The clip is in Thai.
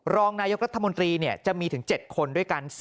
รองนายกรัฐมนตรีจะมีถึง๗คนด้วยกัน